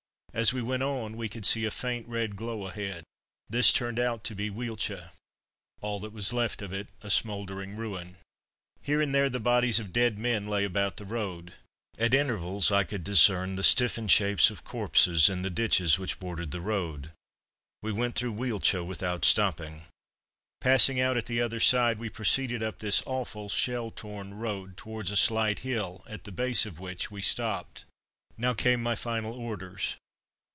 As we went on we could see a faint, red glow ahead. This turned out to be Wieltj. All that was left of it, a smouldering ruin. Here and there the bodies of dead men lay about the road. At intervals I could discern the stiffened shapes of corpses in the ditches which bordered the road. We went through Wieltj without stopping. Passing out at the other side we proceeded up this awful, shell torn road, towards a slight hill, at the base of which we stopped. Now came my final orders.